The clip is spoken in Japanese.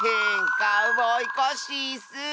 カウボーイコッシーッス。